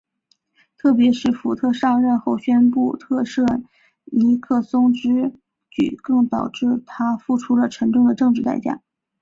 特别是福特上任后宣布特赦尼克松之举更导致他付出了沉重的政治代价。